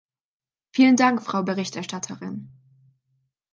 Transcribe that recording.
Vielen Dank, Frau Berichterstatterin.